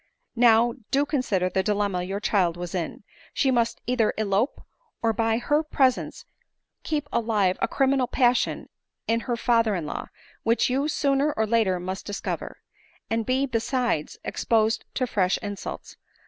Now do consider the dilemma your child was in ; she must either elope, or by her pre* sence keep alive a criminal passion in her father in law, which you sooner or later must discover ; and be besides exposed to fresh insults.